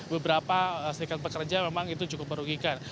beberapa serikat pekerja memang itu cukup merugikan